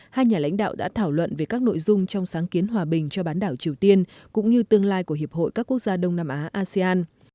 hai nhà lãnh đạo đã thảo luận về các nội dung trong sáng kiến hòa bình cho bán đảo triều tiên cũng như tương lai của hiệp hội các quốc gia đông nam á asean